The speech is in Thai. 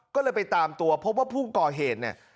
ก็เลยไปตามตัวพบว่าผู้ก่อเหตุเนี่ย